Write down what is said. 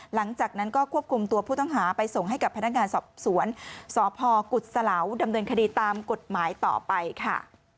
หลังจากนั้นก็ควบคุมตัวผู้ต้องหาไปส่งให้กับพนักงานสอบสวนสพกุศลาวดำเนินคดีตามกฎหมายต่อไปค่ะ